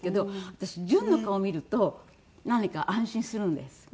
私じゅんの顔見ると何か安心するんです。